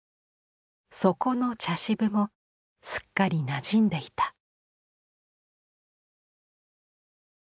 底の茶渋もすっかりなじんでいた。